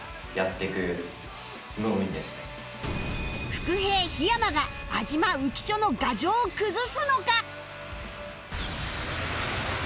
伏兵檜山が安嶋浮所の牙城を崩すのか？